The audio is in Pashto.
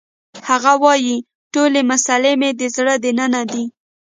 هغه وایی ټولې مسلې مې د زړه دننه دي